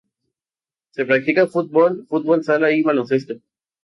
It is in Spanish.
Se practica fútbol, fútbol sala y baloncesto.